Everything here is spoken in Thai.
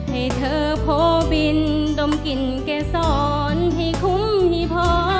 ให้เธอโพบินดมกลิ่นเกษรให้คุ้มให้พอ